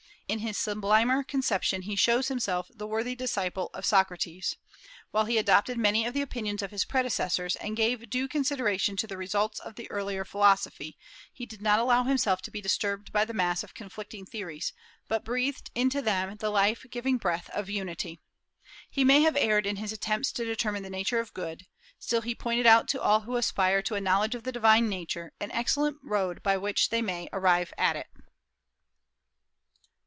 In his sublimer conception he shows himself the worthy disciple of Socrates.... While he adopted many of the opinions of his predecessors, and gave due consideration to the results of the earlier philosophy, he did not allow himself to be disturbed by the mass of conflicting theories, but breathed into them the life giving breath of unity. He may have erred in his attempts to determine the nature of good; still he pointed out to all who aspire to a knowledge of the divine nature an excellent road by which they may arrive at it."